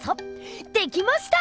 できました！